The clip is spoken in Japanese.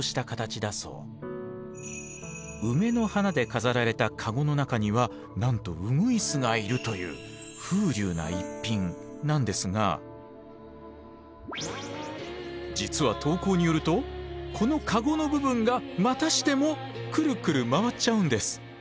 梅の花で飾られた籠の中にはなんとうぐいすがいるという風流な逸品なんですが実は投稿によるとこの籠の部分がまたしてもくるくる回っちゃうんです。